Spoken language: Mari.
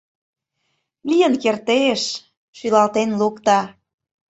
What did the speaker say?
Лийын кертеш. — шӱлалтен лукто.